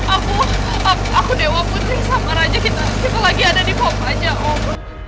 aku aku dewa putri sama raja kita lagi ada di pop aja om